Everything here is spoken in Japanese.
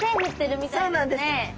そうなんです。